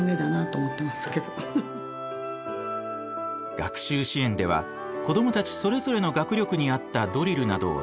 学習支援では子どもたちそれぞれの学力に合ったドリルなどを選んでいます。